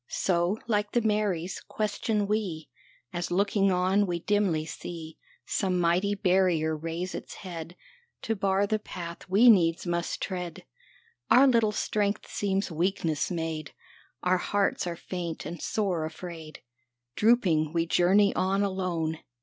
" So, like the Marys, question we, As looking on we dimly see Some mighty barrier raise its head To bar the path we needs must tread. 148 THE STONE OF THE SEPULCHRE Our little strength seems weakness made, Our hearts are faint and sore afraid; Drooping we journey on alone.